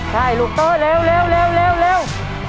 ใช่ลูกเตอร์เร็วเร็วเร็วเร็ว